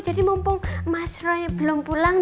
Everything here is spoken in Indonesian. jadi mumpung mas roy belum pulang